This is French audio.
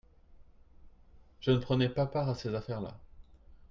je ne prenais pas part à ces affaires-là.